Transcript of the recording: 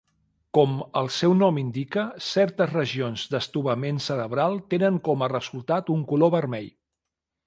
Com el seu nom indica, certes regions d'estovament cerebral tenen com a resultat un color vermell.